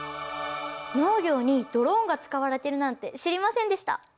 農業にドローンが使われてるなんて知りませんでした。